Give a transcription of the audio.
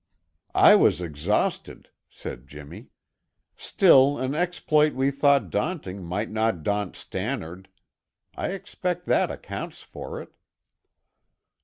"I was exhausted," said Jimmy. "Still an exploit we thought daunting might not daunt Stannard. I expect that accounts for it."